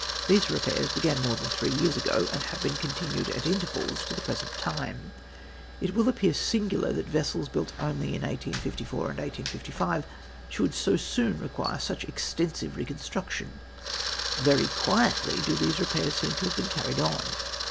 These repairs began more than three j^ears ago, and have been continued at intervals to the present time. It will appear singular that vessels built only in 1854 and 1855 sliould so soon require such extensive reconstruction. Very quietly do these repairs seem to have been carried on.